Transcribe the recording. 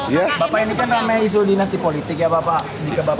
iya bapak ini kan namanya isu dinasti politik ya bapak